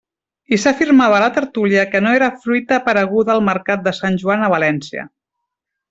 I s'afirmava a la tertúlia que no era fruita apareguda al mercat de Sant Joan a València.